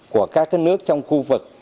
của các nước trong khu vực